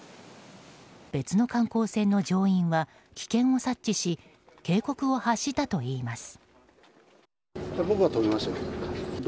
別の観光船の乗員は危険を察知し警告を発したといいます。